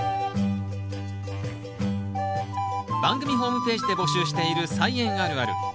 番組ホームページで募集している「菜園あるある」。